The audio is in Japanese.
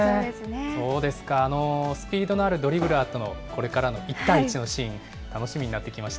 そうですか、スピードのあるドリブラーとのこれからの１対１のシーン、楽しみになってきまし